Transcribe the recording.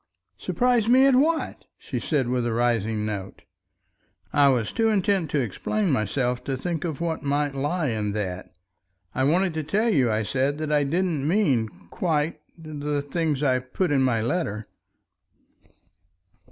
"Surprise me at what?" she said with a rising note. I was too intent to explain myself to think of what might lie in that. "I wanted to tell you," I said, "that I didn't mean quite ... the things I put in my letter."